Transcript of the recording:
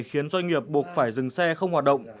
khiến doanh nghiệp buộc phải dừng xe không hoạt động